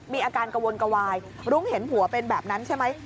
มีอาการกระวนกระวายรุ้งเห็นผัวเป็นแบบนั้นใช่ไหม